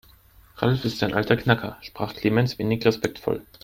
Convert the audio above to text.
Ralf ist ein alter Knacker, sprach Clemens wenig respektvoll.